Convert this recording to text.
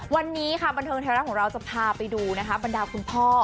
วันนี้บรรเทิงแท้รักของเราจะพาไปดูบรรดาคุณพ่อ